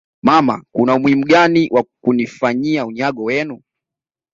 mama Kuna umuhimu gani wa kunifanyia unyago wenu